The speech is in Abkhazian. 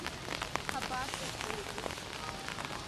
Ҳабацахуеи.